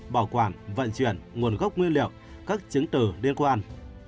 bảo quản vận chuyển nguồn gốc nguyên liệu các chứng từ liên quan